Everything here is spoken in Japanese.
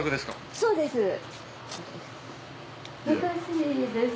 そうです。